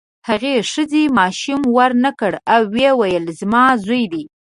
هغې ښځې ماشوم ورنکړ او ویې ویل زما زوی دی.